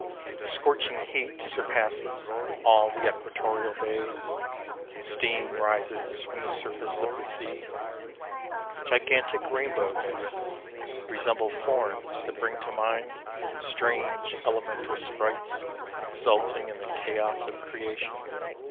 The scorching heat Surpasses all the equatorial days : Steam rises from the surface of the sea. Gigantic rainbow mists resemble forms That bring to mind strange elemental sprites 11 The Beginning. Exulting in the chaos of creation.